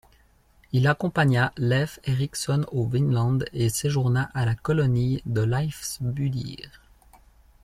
Il accompagna Leif Ericson au Vinland et séjourna à la colonie de Leifsbudir.